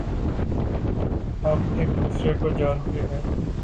ہم ایک دوسرے کو جانتے ہیں